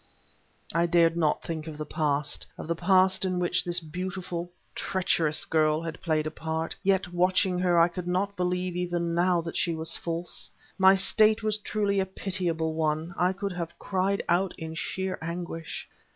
I dared not think of the past, of the past in which this beautiful, treacherous girl had played a part; yet, watching her, I could not believe, even now, that she was false! My state was truly a pitiable one; I could have cried out in sheer anguish.